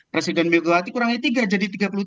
presiden megawati kurangnya tiga jadi tiga puluh tiga